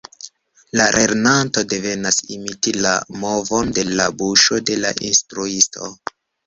La lernanto devas imiti la movon de la buŝo de la instruisto.